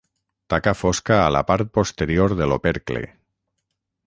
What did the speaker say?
Taca fosca a la part posterior de l'opercle.